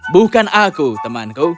bukan aku temanku